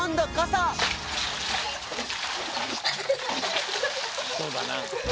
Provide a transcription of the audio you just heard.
そうだな。